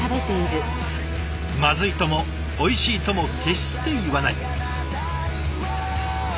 「まずい」とも「おいしい」とも決して言わない。